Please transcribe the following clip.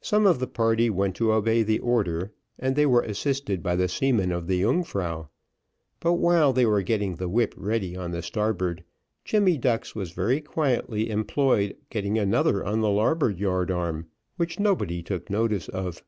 Some of his party went to obey the order, and they were assisted by the seamen of the Yungfrau. But while they were getting the whip ready on the starboard, Jemmy Ducks was very quietly employed getting another on the larboard yard arm, which nobody took notice of.